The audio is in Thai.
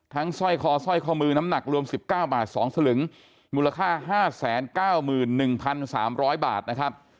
ทั้งสร้อยคอสร้อยคอมือน้ำหนักรวมสิบเก้าบาทสองสลึงมูลค่าห้าแสนเก้าหมื่นหนึ่งพันสามร้อยบาทนะครับ